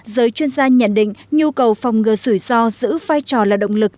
giới chuyên gia nhận định nhu cầu phòng ngừa rủi ro giữ vai trò là động lực